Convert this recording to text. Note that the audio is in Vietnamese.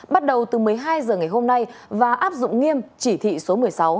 bắt đầu từ một mươi hai h ngày hôm nay và áp dụng nghiêm chỉ thị số một mươi sáu